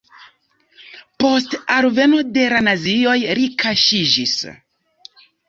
Post alveno de la nazioj li kaŝiĝis.